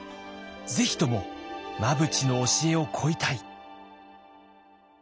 ぜひとも真淵の教えを請いたい。